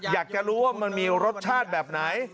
อยากจะรู้ว่ามันมีรสชาติแบบไหน